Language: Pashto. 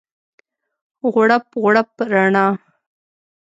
غوړپ، غوړپ رڼا